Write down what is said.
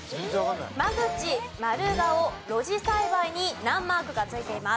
間口丸顔露地栽培に難マークが付いています。